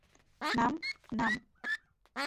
নাম, নাম।